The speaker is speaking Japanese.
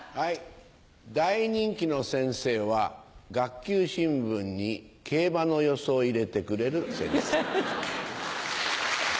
大人気の先生は学級新聞に競馬の予想を入れてくれる先生。